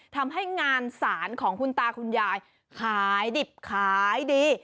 ทำให้งานสารของคุณตาคุณยายขายดิบขายดี